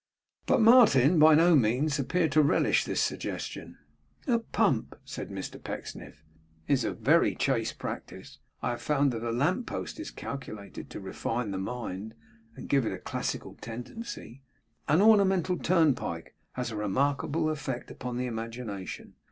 But Martin by no means appeared to relish this suggestion. 'A pump,' said Mr Pecksniff, 'is very chaste practice. I have found that a lamp post is calculated to refine the mind and give it a classical tendency. An ornamental turnpike has a remarkable effect upon the imagination.